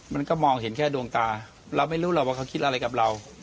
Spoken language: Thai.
มันก็มองเห็นแค่ดวงตาเราไม่รู้หรอกว่าเขาคิดอะไรกับเรา